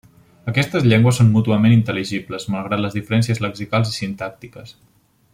Aquestes llengües són mútuament intel·ligibles malgrat les diferències lexicals i sintàctiques.